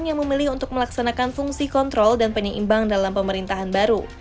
yang memilih untuk melaksanakan fungsi kontrol dan penyeimbang dalam pemerintahan baru